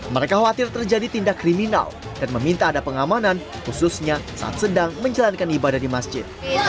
mereka khawatir terjadi tindak kriminal dan meminta ada pengamanan khususnya saat sedang menjalankan ibadah di masjid